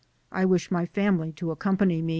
I wish my family to accompany me."